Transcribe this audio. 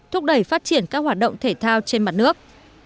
thúc đẩy phát triển các hoạt động thể thao trên mặt nước